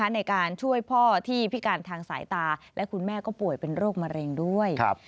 ในการช่วยพ่อที่พิการทางสายตาและคุณแม่ก็ป่วยเป็นโรคมะเร็งด้วย